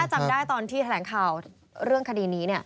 จำได้ตอนที่แถลงข่าวเรื่องคดีนี้